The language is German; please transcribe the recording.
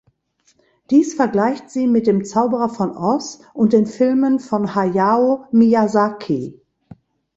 Dies vergleicht sie mit dem Zauberer von Oz und den Filmen von Hayao Miyazaki.